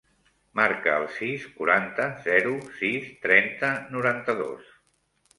Marca el sis, quaranta, zero, sis, trenta, noranta-dos.